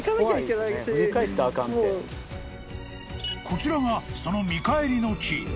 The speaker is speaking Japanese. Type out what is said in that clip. ［こちらがその見返りの木］